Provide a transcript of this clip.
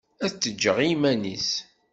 Ad t-ǧǧeɣ i yiman-is.